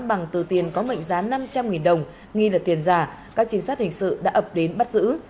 bằng từ tiền có mệnh giá năm trăm linh đồng nghi là tiền giả các chính sát hình sự đã ập đến bắt giữ